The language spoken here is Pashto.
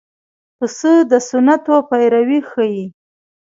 پسه د سنتو پیروي ښيي.